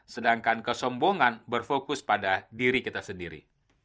sedangkan kesombongan berfokus pada diri kita sendiri